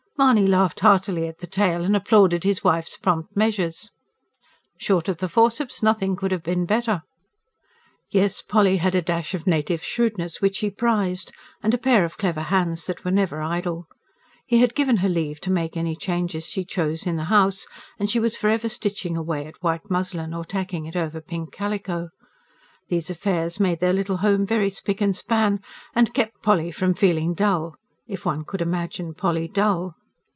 Mahony laughed heartily at the tale, and applauded his wife's prompt measures. "Short of the forceps nothing could have been better!" Yes, Polly had a dash of native shrewdness, which he prized. And a pair of clever hands that were never idle. He had given her leave to make any changes she chose in the house, and she was for ever stitching away at white muslin, or tacking it over pink calico. These affairs made their little home very spick and span, and kept Polly from feeling dull if one could imagine Polly dull!